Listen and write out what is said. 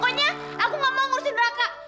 pokoknya aku gak mau ngurusin raka